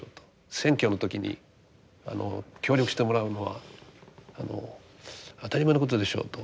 選挙の時に協力してもらうのは当たり前のことでしょうと。